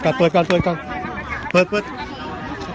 ก็ไม่มีใครกลับมาเมื่อเวลาอาทิตย์เกิดขึ้น